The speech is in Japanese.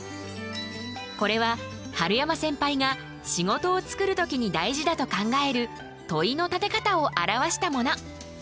これは春山センパイが仕事を作る時に大事だと考える問いの立て方を表したもの。